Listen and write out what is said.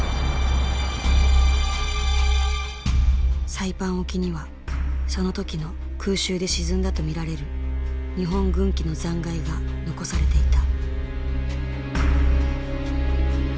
サイパン沖にはその時の空襲で沈んだと見られる日本軍機の残骸が残されていた。